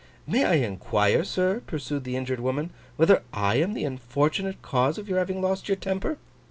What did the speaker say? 'May I inquire, sir,' pursued the injured woman, 'whether I am the unfortunate cause of your having lost your temper?